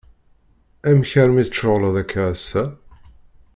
Amek armi tceɣleḍ akka assa?